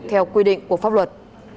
theo quy định của pháp luật